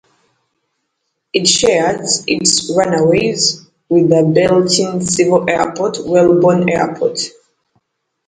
It shares its runways with the Blenheim civil airport, Woodbourne Airport.